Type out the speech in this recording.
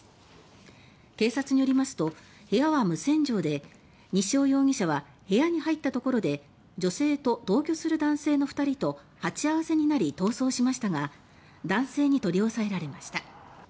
警察によりますと部屋は無施錠で西尾容疑者は部屋に入ったところで女性と、同居する男性の２人と鉢合わせになり、逃走しましたが男性に取り押さえられました。